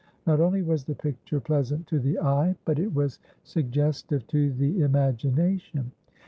Not only was the picture pleasant to the eye, but it was suggestive to the imagination.